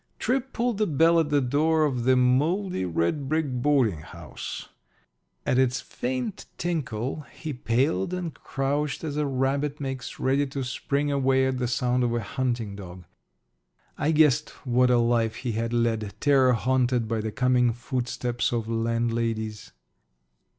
Tripp pulled the bell at the door of the mouldy red brick boarding house. At its faint tinkle he paled, and crouched as a rabbit makes ready to spring away at the sound of a hunting dog. I guessed what a life he had led, terror haunted by the coming footsteps of landladies.